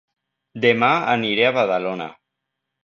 Dema aniré a Badalona